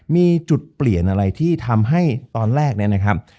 มีจุดเปลี่ยนอะไรที่ทำให้ตอนแรกเนี่ยนะครับ